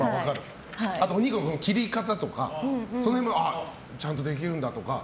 あと、お肉の切り方とかその辺もちゃんとできるんだとか。